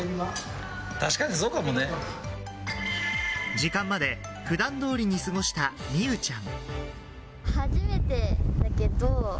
時間まで普段通りに過ごした美羽ちゃん。